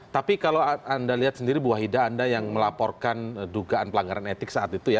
tapi kalau anda lihat sendiri bu wahida anda yang melaporkan dugaan pelanggaran etik saat itu ya